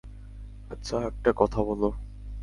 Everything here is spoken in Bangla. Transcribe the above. আচ্ছা, একটা কথা বলো।